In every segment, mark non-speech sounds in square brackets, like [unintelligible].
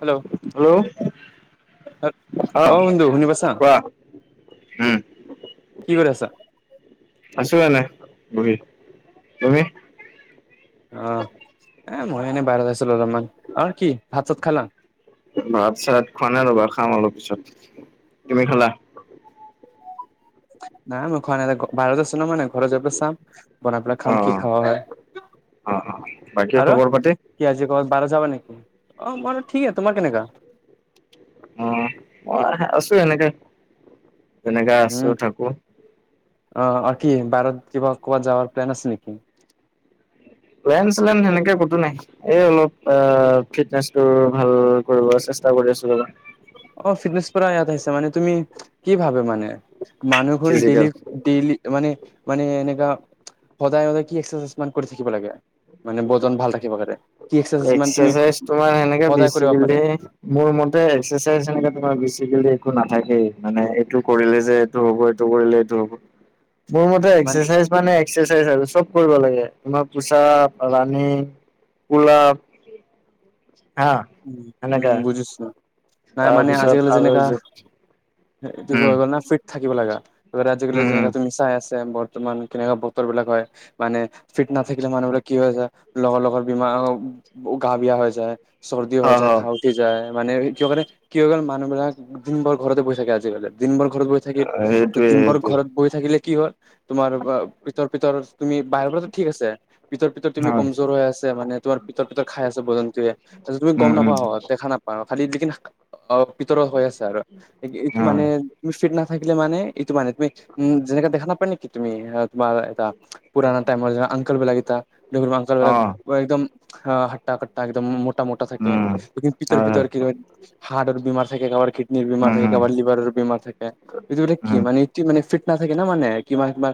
Hello, hello অ অঁ সোনটো শুনি পাইছা কোৱা উম কি কৰি আছা? আছোঁ এনে বহি তুমি? অ এ মই এনেই বাহিৰত আছিলো অলপমান আৰু কি ভাত চাত খালা? ভাত চাত খোৱা নাই ৰ'বা খাম অলপ পিছত তুমি খালা নাই মই খোৱা নাই বাহিৰত আছোঁ ন মই নাই খো ঘৰত যায় পেলাই চাম বনাই পেলাই অ অ খাম কি খাৱা হয়। অ অ বাকী আৰু খবৰ পাতি কি আজি ক'ৰবাত বাহিৰত যাবা নেকি অ মই ঠিক আছে তোমাৰ কেনেকা অ মই আছোঁ এনেকে যেনেকে আছোঁ থাকো আহ কি বাৰত কিবা ক'বাত যাবাৰ প্লেন আছে নেকি। প্লেন চেলেন সেনেকে কতো নাই এই অলপ আ ফিটনেচ টো ভাল কৰিব আছে চেষ্টা কৰি আছোঁ ৰবা অ ফিটনেচ পাৰা ইয়াত আহিছে মানে তুমি কি ভাবে মানে মানুহভোন ফিজিকেল ডেইলি ডেইলি মানে মানে এনেকা সদায় সদায় কি এক্সাৰচাইজ ইমান কৰি থাকিব লাগে মানে বজন ভাল থাকিব কাৰণে কি মান তুমি এক্সাৰচাইজ তোমাৰ সেনেকে সদায় কৰিব পাৰে বেছিকেলি মোৰ মতে এক্সাৰচাইজ সেনেকে তোমাৰ বেছিকেলি একো নাথাকেই মানে এইটো কৰিলে যে এইটো হ'ব এইটো কৰিলে এইটো হ'ব [inaudible] মোৰ মতে মান এক্সাৰচাইজ মানে এক্সাৰচাইজ আৰু চব কৰিব লাগে তোমাৰ পোচাপ, ৰাণিং পোলাপ উম উম বুজিছো নাই মানে তাৰপিছত আজিকালি যেনেকা, আৰু এইটো উম হৈ গ'ল না ফিট থাকিব লাগা আজিকালি যেনেকা উম তুমি চাই আছে বৰ্তমান কেনেকুৱা বতৰ বিলাক হয় মানে ফিট নাথাকিলে মানুহবিলাক কি হৈ যায় লগৰ লগৰ বিমাৰ হওঁক গা বেয়া হৈ যায় চৰ্দি হৈ হয় যায় হয় খা উঠি যায় মানে ক কৰে কি কল মানুহবিলাক দিনবোৰ ঘৰতে বৈ থাকে আজিকালি দিনবোৰ ঘৰত বৈ থাকিল সেইটোৱে দিনবোৰ সেইটোৱে ঘৰত বৈ থাকিলে কি হ'ল তোমাৰ বা পিতৰ পিতৰ তুমি বাহিৰ পৰা ঠিক আছে। পিতৰ পিতৰত তুম হয় কমজোৰ হৈ আছে মানে তোমাৰ পিতৰ পিতৰ খাই আছ ব জন্তুয়ে। তুমি উম গম উম নাপাওঁ দেখা নাপাও খালি লকিন অ পিতৰ হৈ আছে আৰু এই মানে হয় তুমি ফিট নাথাকিলে মানে। ইটো মানে তুমি উম যেনেকে দেখা নাপায় নেকি তুমি তোমাৰ এটা পুৰা টাইমৰ অংকল বিলাক। অ একদম হাটটা কটা একদম। মটা মোটা থাকে উম ন পিতৰ হয় পিতৰ হয় কি হাৰ্টৰ বীমাৰ থাকে কৰাৰ নি বেমাৰ উম থাকে উম কাৰোবাৰ লিভাৰৰ বেমাৰ থাকে এইবিলাক কি উম মানে ই মানে ফিট না থাকে না মানে। কিবা কিবা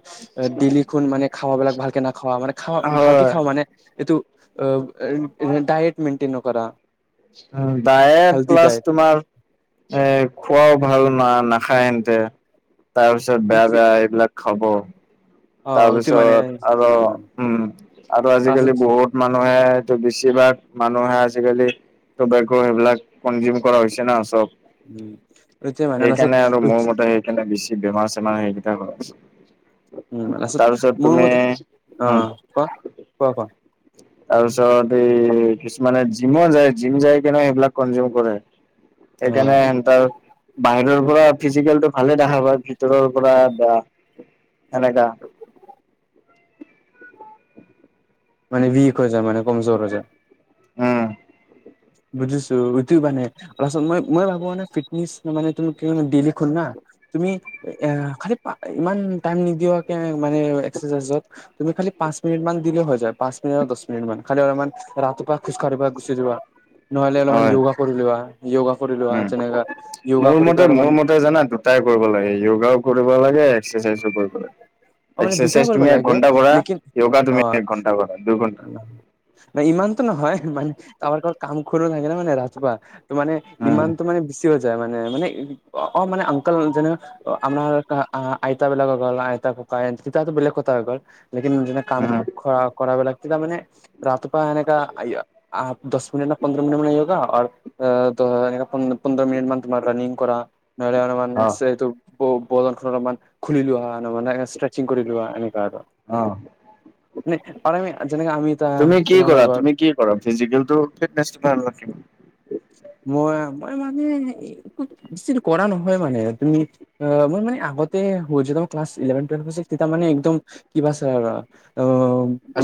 ডেইলিখন মানে খাবলাক ভালকে নাখোৱাা মানে খ ভালকে হয় খাওঁ মানে এইটো। ডায়ট মেনটেইন নকৰা। ডায়েট হেল্ডি প্লাছ ডায়েট তোমাৰ এ খোৱাও ভাল ন না। খাই এনতে তাৰ পিছত বেয়া বেয়া এইবিলাক খাব। অ এইটো মানে তাৰপিছত আৰু উম আৰু তাৰপাছত আজিকালি বহুত মানুহ। মানুহে এইটো বেছিভাগ মানুহে আজিকালি। ত বে সেইবিলাক কনজিউম কৰা হৈছে না চব। উম। এতিয়া মানে লাষ্টত সেইকাৰণে আৰু মোৰ মতে সেইকাৰণে বেছি বেমাৰ চেমাৰ সেইকেইটা হৈ আছে। তাৰ পাছত তাৰপিছত মোৰ তুমি মতে অ কোৱা কোৱা কোৱা। তাৰ পিছত এই কিছুমানে জিমো যায় জিম যায় কিনে সেইবিলাক কনজিউম কৰে। অ', সেইকাৰণে এন্তাৰ বাহিৰৰ পৰা ফিজিকেল টো ভালে দেখা পায় ভিতৰৰ পৰা এনেকা। মানে উক হৈ যায় মানে কমজোৰ হৈ যায়। উম বুজিছো সটো মানে অলপচত মই মই ভাবো মান ফিটনেচ মানে তুমি কি ডেইলি খল না। তুমি এ খালি ইমান টাইম নিদিয়াকে মানে এক্সাৰচাইজত। তুমি খালি পাঁচ মিনিট মান দিলে হয়। পাঁচ মিনিট আৰু দহ মিনিট মান খালি অলপমান ৰাতিপুৱা খজ কাঢ়িবা গুচি যোৱা। নহলে অলপমান হয় য়োগা কৰি লোৱা। য়োগা কৰি লোৱা উম যেনেকা য়োগা মোৰ কৰি মতে পেলাই মোৰ অলপমান। মতে জানা দুটাই লাগে যোগাও কৰিব লাগে এক্সাৰচাইজো কৰিব লাগে। অ', মানে দুটাই এক্সাৰচাইজ কৰিব তুমি এক লাগে ঘণ্টা কৰা লেকিন য়োগা তুমি এক ঘণ্টা কৰা দুঘণ্টা। ন ইমানতো নহয় মান তমাৰ কাৰ কাম খো থাকে ন মে ৰাজপুৱা ত মানে উম ইমানতো মানে বেছি হৈ যায। মানে মানে অ মানে অংকল যেনে আমাৰ আইতা বিলাকক ল আইতা ককা বেলেগ কথা হৈ গ'ল লেকিন নিদিনা কাম উম কৰা কৰা বলাক মানে ৰাতিপুৱা সেনেকা দহ মিনট ন পন্দ্ৰমিনট মান ন ত এনেক পন্ধৰ মিনিট মান তোমাৰ ৰানিং কৰা নহলে অলপমান অ এইটো বদন খ অলপমান খুলি লোৱা হয়। মানেষ্ট্ৰেচিং কৰি লোৱা এনেকা আৰু অ পমি [unintelligible] তুমি কি কৰা তুমি কি কৰা ফিজিকেল ফনে ভ লখ মই মই মানে ব কৰা নহয় মানে তুমি অ মই মানে আগতে হয়তো ক্লাছ ইলেভেন টুৱেলভ পাছত তেতিয়া মানে একদম কিবা আছে আৰু।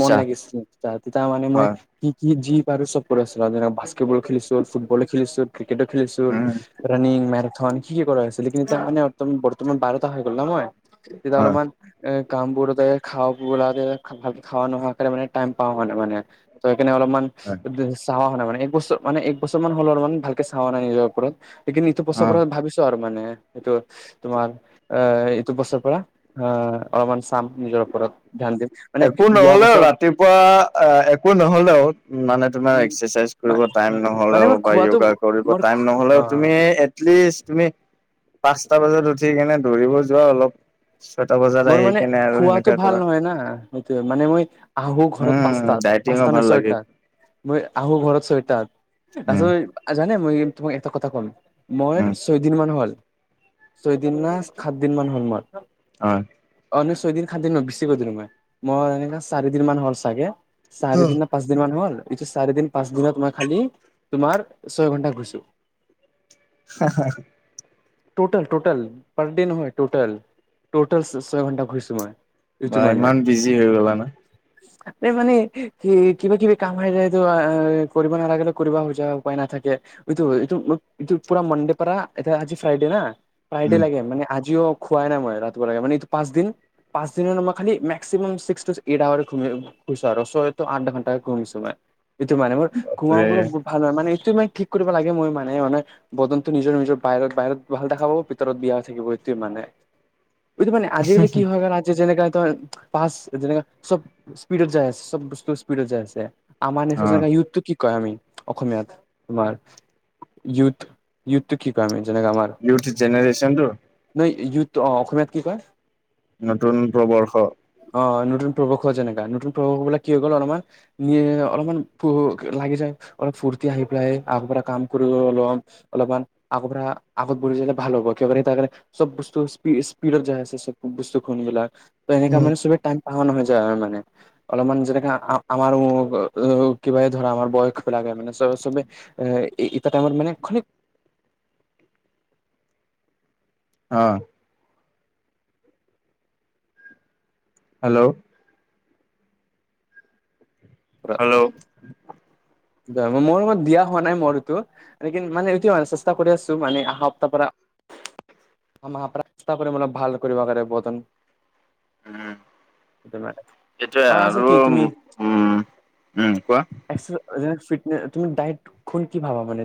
মন লাগিছিল তে তেতিয়া মানে মই হয় কি কি যি বাৰ চব আছিল বাস্কেটবল বলো খেলিছো, ফুটবলো খেলিছো, ক্ৰিকেটো খেলিছো, উম ৰানিং মেন। ধ কি কি কৰা হৈছিলে কিন্তু এতিয়া মানে বৰ্তমান বাৰটা হৈ গ'ল ন মই তেতিয়া হয় অলপমান এ কামবোৰ খা ভালকে খোৱা নোহোৱা কাৰনে মানে টাইম পাওঁ মানে মানে ত। এনে অলপমান হয় চাও মানে এক বছৰ মানে এক বছৰ মান। মানে ভালকে চোৱা নাই নিজৰ ওপৰত সেই লেকিন এইটো অ বছৰপৰা ভাবিছো আৰু মানে। এইটো তোমাৰ অ এইটো বছৰপৰা অ অলপমান চাম নিজৰ ওপৰত ধান দিম। মানে একো যোৱা নহলেও বছৰত ৰাতিপুৱা একো নহলেও মানে তোমাৰ উম এক্সাৰচাইজ কৰিব। টাইম মানে নহলেও মোৰ বা খোৱাটো য়োগা কৰিব মোৰ টাইম অ নহলেও তুমি এটলিষ্ট তুমি। পাঁচটা বজাত উঠি কিনে দৌৰিব যোৱা অলপ। ছয়টা বজাৰ আহি কেনে আৰু সেনেকা কৰা। ন সেইটো মানে মই আহো ঘৰত উম পাঁচাত ডাইটিঙো পাঁচটা নে ভাল লাগে ছয়টাত। মই আহো ঘৰত চৈটাত। উম আচল জানে মই তোমাক এটা কথা ক'ম মই উম ছয়দিন মান হ'ল। ছয়দিন ন সাত দিন মান হ'ল মোৰ। অ। অ ছয়দিন সাতদিন নহয় বেছি কৈ দিলো মই। মই এনেকে চাৰিদিন মান হ'ল চাগে। চাৰি দিন ন পাঁচ দিন মানে হ'ল। এইছ চাৰি দিন পাঁচ দিনত মই খালি তোমাৰ ছয় ঘন্টা শুনিছো। হা হা। টোটেল টোটল পাৰ ডে নহয় টতল টতল ছয় ঘণ্টা ঘুৰিছোঁ মই। এইটো বা মানে ইমান বিজি হৈ গলা না? এই মানে স কিবা কিবি কাম আহ যায়েতটো কৰিব নালাগিলে কৰিব খোজা উপায় নাথাকে। এইটো এইটো এইটো পুৰা মনডে পৰা এতিয়া আজি ফ্ৰাইডে না ফ্ৰাইডে উম লাগে মানে আজি। জিসও খুৱাই নাই মই ৰাতিপুৱা লাগে মান এইটো পাঁচ দিন। পাঁচ দিনৰ মই খালি মেক্সিমাম ছিক্স এইট আহোৱা আৰু ছয় আঠ ঘণ্টাকে ঘমিছো মই। এইটো মানে মোৰ ঘোমাব বাপৰে বহুত ভাল ন মানে। ঠিক কৰিব লাগে মই মানে মানে বদন্ততটো নিজৰ নিজৰ বাহিৰত। বাহিৰত ভাল দেখা পাব ভিতৰত বিয়া থাকিব এইটোৱে মানে। এইটো মানে আজিকালি কি হয় কাৰণ আজি যেনেকা। ফা যেনে চব স্পীডত যাই আছে চব বস্তু স্পিডত যাই আছে। আমাৰ নিচ অ ইউথতটো কি কয় আমি। অসমীয়াত তোমাৰ য় য়ুথটো কি কয় আমি। যেনেক আমাৰ ইউথ জেনেৰেচনটো নহয় ইউঠ অ অসমীয়াত কি কয়? নতুন প্ৰবৰ্ষ। অ নতুন প্ৰৱশ হোৱা যেনেকা নতুন প্ৰৱবিলাক কি গ'ল অলপমান নে অলপমান পুহ লাগি যায়--্ অলপ ফূুৰ্তি আহি পেলাই আগৰ পৰা কাম কৰি অল অলপমান আগৰ পৰা। আগত বঢহি যলে ভাল হ'ব কণে চব বস্তু স্পীডত য আ সব বস্তু খবিলাক। ত এনে ক উম মানেুবে টাইম। হৈ যায় মানে অলপমান যেনেকে আৰ কিব ধৰা আমাৰ বয়সব লে। মানে চব চবে এ ইটা টাইমত মানে খিক। অ। হেল্ল'। হেল্ল' মোৰ ৰুমত দিয়া হোৱা নাই মই তটো এ কি মানে চেষ্টা কৰি আছো মানে অহা সপ্তাহ পৰা। মা প্ৰস্তা কৰে মান ভাল কৰিব কাৰে বতন। উম। এইটোয়ে আচল আৰু কি উম তুমি উম কোৱা। ফ তুমি দাইট খন কি ভাবা মানে?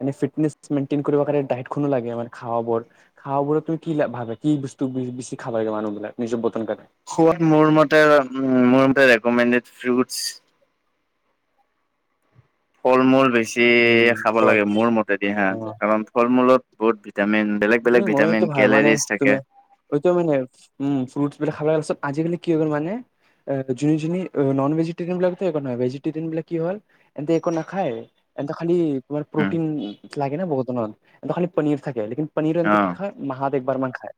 মানে ফিটনেচ মেইনতেইন কৰিব কাৰনে ডাইট খনো লাগে। খাব বোৰ খ বোৰ তুমি কি ভাবে কি বস্তু বছি খাব লাগে মানুহ বিলাক নিজৰ। বতন কাৰণে খোৱাত মোৰ মতে মোৰ ৰেকমেড ফ্ৰুইট। ফল মূল বেছি উম খাব হয় লাগে মোৰ মতে দি হা। অ কাৰণ ফল মূলত বহুত। ভিটামিন বেলেগ বেলেগ উম ভিটামিন ইটো ভাই মানে কেলেৰিজ থাকে তুমি ইটো মানে উম ফ্ৰুট। এইব খাব লাগে আজিকালি কি গ'ল মানে। য য নন ভেজিটেৰিয়ান বিলাকতো একো নহয় ভেজিটেৰিয়ান বিলাক কি হল এন্ত একো নাখায়। এতে খালি। তোমাৰ উম প্ৰটিন লাগে বহুত ধনৰ খালি পনীৰ থাকে পনীৰ অ এ কি খ হয় মাহত। বাৰ মান খাই,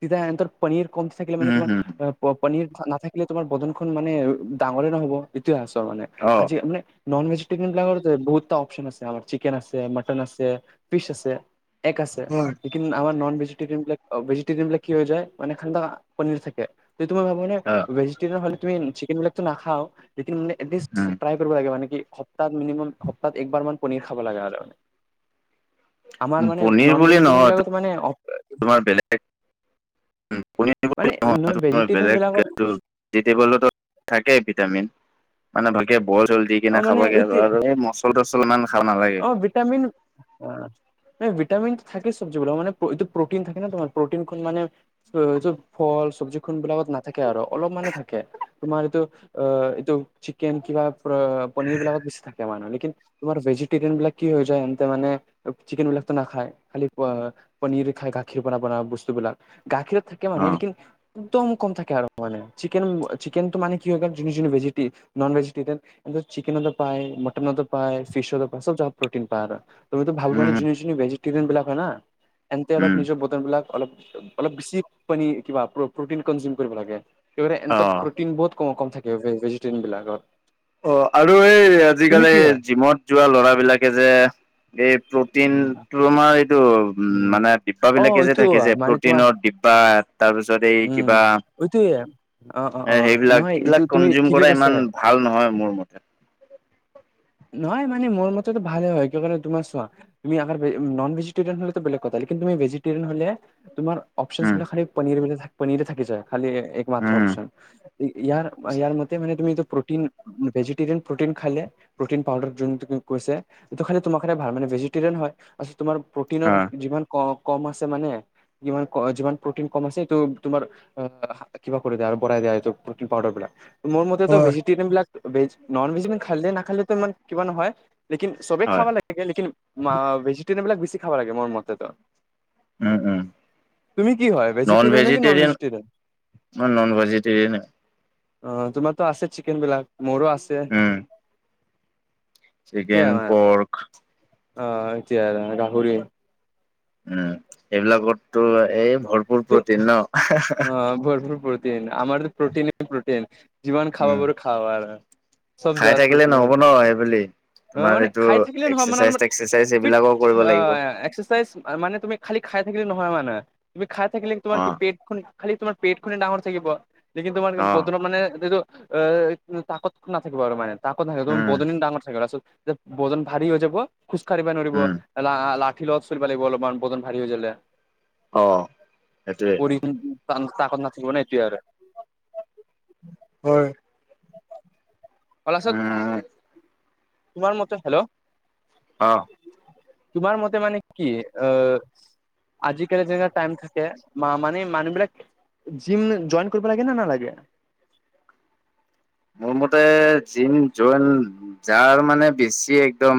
তেতিয়া ইহঁতৰ পনীৰ কম থাকিলে মানে উম হম [unintelligible] পনীৰ নাথাকিলে তোমাৰ বদনখনন মানে ডাঙৰে নহব এতিয় আছ মানে অ আজি মানে নন ভেজিটেৰিয়ান বিলাকৰ বহুতটা অপশচন আছে আমাৰ চিকেন আছে মাটন আছে ফিচ আছে। এগ আছে হয় লেকিন আমাৰ নন ভেজিটেৰিয়ান বিলাক ভেজিটেৰিয়ান বিলাক কি হৈ যায় মানে পনীৰ থাকে। য তুমি ভাবা অ নহয় ভেজিটোন হলে তুমি চিকন বিলাক টো নেখাওঁ যিন মানে উম এিষ্ট ্ৰাই কৰিব লাগে মানে কি [unintelligible] সপ্তাহ মিনিমাম সপ্তত একবাৰ মান পনীৰ খাব লাগে [unintelligible] আমাৰ মানে পনীৰ নন বুলি ভেজিটৰিয়ান নহয় বিলাক মানে তোমাৰ বেলেগ [unintelligible] মানে নয় ভেজিটেৰিয়ান বিলাকত বেলেগ থাকেই ভিটামিন মানে ভাগে বল চল দি অ কিনে খাবগে মানে আৰু আৰু এই মচল তচল ইমান খাব নালাগে। অঁ। নাই ভিটামিন থাকে চব্জি বিলাক মানে এইটো প্ৰটিন থাকে ন তোমাৰ প্ৰটিনখন মান ফল। চব্জি খন বিলাকত নাথাকে আৰু অলপ মানে থাকে তোমাৰ এইটো অ এইটো। চিকেন কিবা পনিৰ বিলাকত বেছি থাকে মানে। তোমাৰ ভেজিটেৰিযয়েন বিলাক কি হৈ যায় মানে চিকেন বিলাক নাখায় পনিৰ। খাই গাখীৰ পৰা বনোৱা বস্তুবিলাক, গাখীৰত থাকে মানে অ লেকিন। একদম কম থাকে আৰু মান চিকন চিকেন তো মানে কি হৈ ভেজ নন ভেজিটেৰান [unintelligible] এ চিকেনত পায় মটনত পায় ফিচ পায় পাছত জব প্ৰটিন পায় আৰু। তুমি ত ভাল যোনে উম যোনে ভেজিটেৰিয়ান বিলাক হয় না, সিহঁতে অলপ উম নিজৰ বতন বিলাক। অলপ অলপ বেছি পানী কিবা প্ৰটিন কনজিউম কৰিব লাগে। একেবাৰে ইহঁতৰ অ প্ৰটিন বহুত কম কম থাকে ভেজিটেৰিয়ন বিলাকত। অ আৰু এই তুমি আজিকালি কি হয়? জিমত যোৱা ল'ৰা বিলাকে যে। এই প্ৰটিন উম টো আমাৰ এইটো উম মানে ডিব্বা অ বিলাকে যে এইটো থাকে যে মানে তোমাৰ প্ৰটিনৰ ডিবা। বা তাৰপিছত এই উম কিবা। এইটোয়ে, অ অ অ এ সেইবিলাক নহয় এইটো এইবিলাক তুমি কনজিউম ঠিকে কৰা কৈছা। ইমান ভাল নহয় মোৰ মতে নহয় মানে। মোৰ মতেতো ভালে হয়। কিয় কাৰণে তোমাৰ চোৱা তুমি আগৰ নন ভজিটৰিয়ান হ'লে বেলেগ দেখিলে তুমি ভেজিটেৰিয়েন। তোমাৰ উম অপশ্যন খালি পনিৰ পনিৰ থাকি যায় খালি একমাত্ৰ উম অপশচন। ইয়াৰ ইয়াৰ মতে মানে তুমি প্ৰটিন। ভেজিটেৰিয়ান প্ৰটিন খালে, প্ৰটিন পাউডাৰ যোন তোমাক কৈছে এইটো খালে তোমাৰ কাৰণে ভাল মানে ভেজিটেৰিয়ান হ'য়। তোমাৰ প্ৰটিনত হয় যিমান ক কম আছে মানে। যিমান যিমান প্ৰটিন কম আছে, এইটো তোমাৰ আহ কিবা কৰি দিয়া আৰু বঢ়াই দিয়া প্ৰটিন পাউদাৰ বিলাক। মোৰ মতেতো হয় ভেজিটেৰিয়ান বিলাক ভেজ নন ভেজ ইমান খালে নাখালে ইমান কিবা নহয়। লেকিন চবেই হয় খাবা লাগে লেকিন ভেজিটেৰিয়ান বিলাক বেছি খাব লাগে মোৰ মতেতো। উম উম। তুমি কি হয় নন ভেজিটেৰিয়ান নে কি ভেজিটেৰিয়ান? Vegetarian non vegetarian. অ তোমাৰ ত‌ আছে চিকেন বিলাক মোৰো আছে। উম এতিয়া চিকেন, পৰ্ক। অ এতিয়া গাহৰি। উম এইবিলাকতটো এই ভৰপূৰ ত প্ৰটিন ন হা হা। আমাৰ প্ৰটিন প্ৰটিন যিমান খাব উম পাৰোঁ খাওঁ আৰু। চব খাই জাগাত থাকিলে প্ৰটিন নহব ন এই বুলি। অ মানে খাই থাকিলে নহয় মানে, অলপমান ফিট এইবিলাকো কৰিব লাগিব আহ একচেছাইজ মান তুমি। খালি খাই থাকিলে নহয় মানে তুমি খাই থাকিলে তোমাৰ অ কি পেট খন হে খালি তোমাৰ পেট খনে ডাঙৰ থাকিব। লেকিন তোমাৰ অ বদনত মানে গোটেইটো‌ অ তাকত নাথাকিব আৰু মানে। তাকত নাথাকিব উম বদন ডাঙৰ থাকিব যে বদন ভাৰী হৈ যাব খোজকাঢ়িবা নৰিব। উম ফিলত চলিব লাগিব অলপমান বদন ভাৰী হৈ গ'লে। অ সেইটোৱেই। তাকত নাথাকিব না এতিয়া আৰু। হয়। অলাচত। উম [unintelligible] তোমাৰ মতে হেল্ল'। অহ। তোমাৰ মতে মানে কি? আ আজি কালি যেনেকা টাইম থাকে, মানে মানুহ বিলাক জিম জইন কৰিব লাগে না নালাগে? মোৰ মতে জিম জইন যাৰ মানে বেছি একদম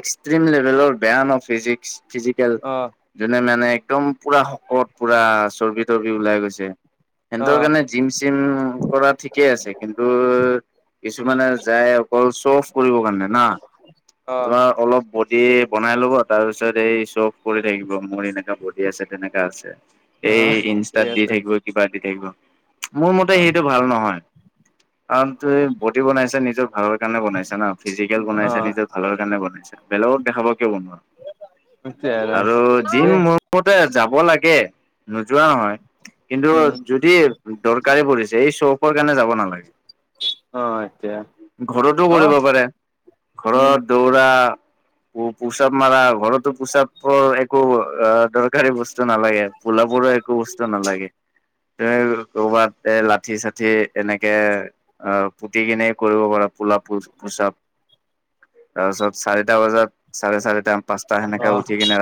এক্সট্ৰিম লেভেলৰ বেয়া ন ফিজিক ফিজিকেল অ যোনে মানে একদম পুৰা শকত পুৰা চৰ্বি তৰ্বি ওলাই গৈছে। অ সিহঁতৰ কাৰণে জিম চিম কৰা ঠিকে আছে। কিন্তু কিছুমানে যায় অকল চঅফ কৰিবৰ কাৰণে না। অ তোমাৰ অলপ বডি বনাই লব তাৰ পাছৰ চ অফ কৰি থাকিব, মোৰ এণেকা বদি আছে তেনেকা আছে অ এই ঠিক ইনষ্টাত দি আছে থাকিব কিবা দি থাকিব মোৰ মতে অ সেইটো ভাল নহয়। কাৰণ তু এই বডি বনাইছে নিজৰ ভালৰ কাৰণে বনাইচে ন, ফিজিকেল অ বানাইছে নিজৰ ভালৰ কাৰণে বনাইছে। বেলেগক দেখাব কিয় বনোৱা, আৰু জিম দে মোৰ [unintelligible] যাব লাগে নোযোৱা নহয় কিন্তু উম যদি দৰকাৰী পৰিছে এই চৌ কাৰণে যাব নালাগে। অ এতিয়া ঘৰতো অ কৰিব পাৰে উম ঘৰত দৌৰা পোচাপ মাৰা ঘৰতো পোচাপৰ একো দৰকাৰী বস্তু ব নালাগে ফোলাবোৰো একো বস্তু নালাগে। [unintelligible] এ লাঠি চাঠি এনে আহ পুতি কিনে কৰিব পাৰ পোলাপ পোচাপ। তাৰপিচত চাৰিটা বজাত চাৰে চাৰিটা পাঁচটা সেনেকাে অ উঠি কিনে ৰা